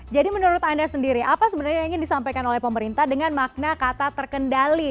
jadi menurut anda sendiri apa sebenarnya yang ingin disampaikan oleh pemerintah dengan makna kata terkendali